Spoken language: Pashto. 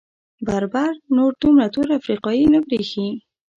بربر نور دومره تور افریقايي نه برېښي.